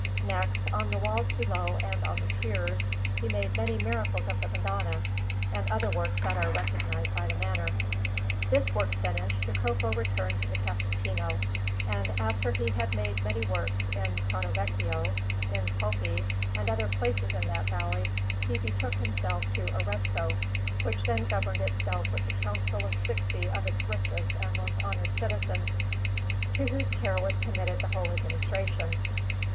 Next, on the walls below and on the piers, he made many miracles of the Madonna, and other works that are recognized by the manner. This work finished, Jacopo returned to the Casentino, and after he had made many works in Pratovecchio, in Poppi, and other places in that valley, he betook himself to Arezzo, which then governed itself with the counsel of sixty of its richest and most honoured citizens, to whose care was committed the whole administration.